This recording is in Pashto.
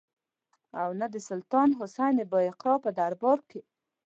او نه د سلطان حسین بایقرا په دربار کې.